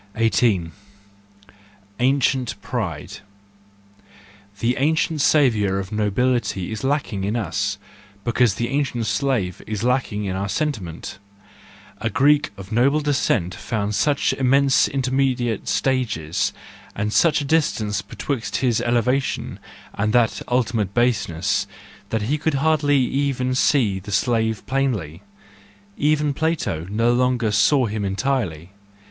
18. Ancient Pride .—The ancient savour of nobility is lacking in us, because the ancient slave is lacking in our sentiment. A Greek of noble descent found such immense intermediate stages, and such a distance betwixt his elevation and that ultimate 56 THE JOYFUL WISDOM, I baseness, that he could hardly even see the slave plainly: even Plato no longer saw him entirely.